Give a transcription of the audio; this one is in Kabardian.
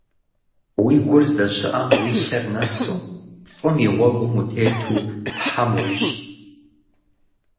Уи гур здэщыӏэм уи лъэр нэсу, фӏым и гъуэгум утету Тхьэм уищӏ!